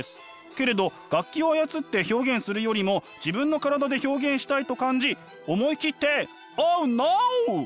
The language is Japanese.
けれど楽器を操って表現するよりも自分の体で表現したいと感じ思い切ってオーノー！